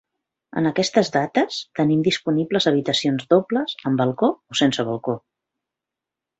En aquestes dates tenim disponibles habitacions dobles, amb balcó o sense balcó.